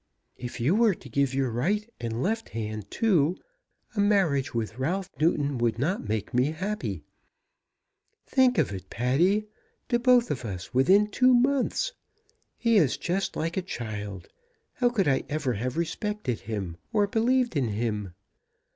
"If you were to give your right and left hand too, a marriage with Ralph Newton would not make me happy. Think of it, Patty; to both of us within two months! He is just like a child. How could I ever have respected him, or believed in him?